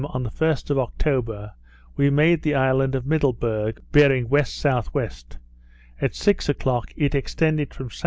on the 1st of October, we made the island of Middleburg, bearing W.S.W.; at six o'clock it extended from S.W.